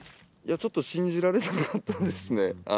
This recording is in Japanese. ちょっと信じられなかったですね。